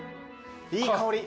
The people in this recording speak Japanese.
いい香り。